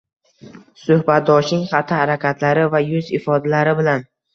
“Suhbatdoshing” xatti-harakatlari va yuz ifodalari bilan